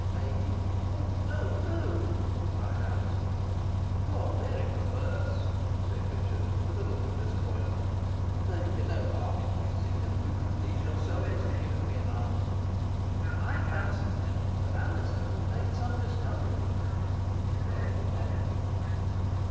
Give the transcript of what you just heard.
"May he?" "Oh no, no!" cried Alizon. "You are very perverse," said Richard, with a look of disappointment. "There can be no harm in guessing; and you can please yourself as to giving an answer. I fancy, then, that Alizon has made some discovery." Dorothy nodded.